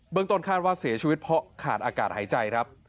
ต้นคาดว่าเสียชีวิตเพราะขาดอากาศหายใจครับ